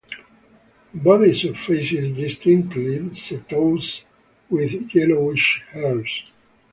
Body surfaces distinctly setose with yellowish hairs.